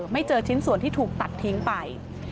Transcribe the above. ไม่เจอชิ้นส่วนที่ถูกตัดทิ้งไป